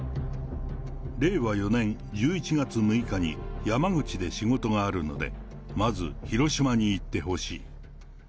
令和４年１１月６日に山口で仕事があるので、まず広島に行ってほしい。